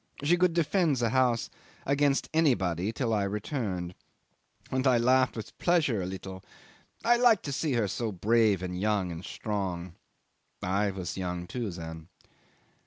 She could defend the house against anybody till I returned. And I laughed with pleasure a little. I liked to see her so brave and young and strong. I too was young then.